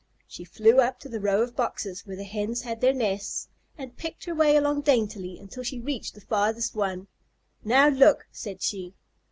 She flew up to the row of boxes where the Hens had their nests, and picked her way along daintily until she reached the farthest one. "Now look," said she.